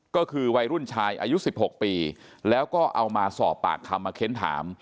ก็คือวัยรุ่นชายอายุ๑๖ปีแล้วก็เอามาสอบปากคำมาเค้นถาม